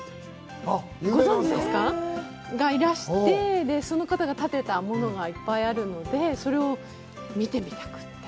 ご存じですか？がいらして、その方が建てたものがいっぱいあるので、それを見てみたくて。